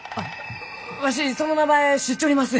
わしその名前知っちょります！